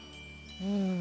うん。